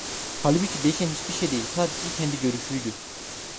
Halbuki değişen hiçbir şey değil, sadece kendi görüşüydü.